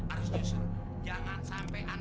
nyusul sekarang kita berangkat